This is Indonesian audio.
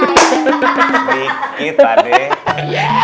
sedikit pak ustadz